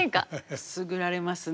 くすぐられますね。